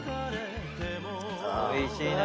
おいしいね。